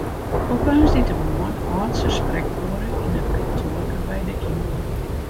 Op woansdeitemoarn hâldt se sprekoere yn it kantoarke by de yngong.